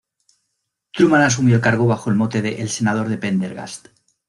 Truman asumió el cargo bajo el mote de "el senador de Pendergast.